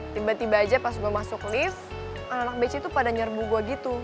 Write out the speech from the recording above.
tiba tiba aja pas gue masuk lift anak anak bece itu pada nyerbu gue gitu